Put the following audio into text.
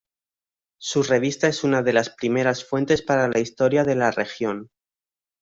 Su revista es una de las primeras fuentes para la historia de la región.